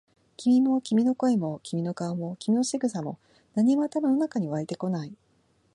君も、君の声も、君の顔も、君の仕草も、何も頭の中に湧いてこない。